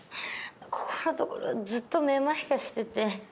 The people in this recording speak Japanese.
ここのところずっと目まいがしてて。